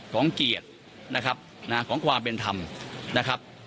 ของเกียรตินะครับของความเป็นธรรมนะครับ